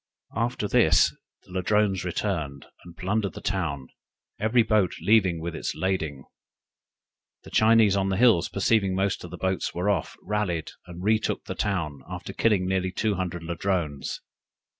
After this the Ladrones returned, and plundered the town, every boat leaving it with lading. The Chinese on the hills perceiving most of the boats were off, rallied, and retook the town, after killing near two hundred Ladrones.